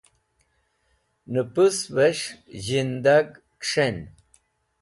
nupus'vesh zhindag ks̃hen